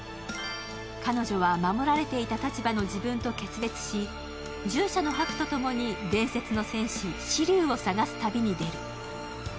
彼女は守られていた立場の自分と決別し、従者のハクとともに伝説の戦士四龍を捜す旅に出る。